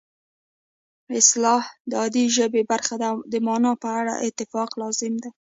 اصطلاح د عادي ژبې برخه ده او د مانا په اړه اتفاق لازم دی